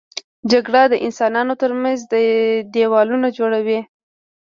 جګړه د انسانانو تر منځ دیوالونه جوړوي